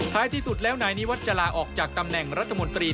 ที่สุดแล้วนายนิวัตรจะลาออกจากตำแหน่งรัฐมนตรี